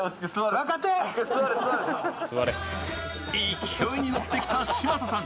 勢いに乗ってきた嶋佐さん。